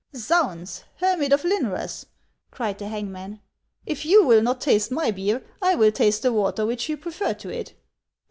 " Zounds, hermit of Lynrass !" cried the hangman, " if you will not taste my beer, I will taste the water which you prefer to it."